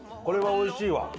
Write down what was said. これはおいしいわ。